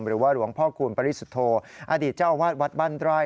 หรือว่าหลวงพ่อคูณปริสุทธโธอดีตเจ้าอาวาสวัดบ้านไร่